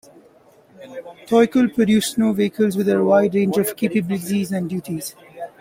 Thiokol produced snow vehicles with a wide range of capabilities and duties.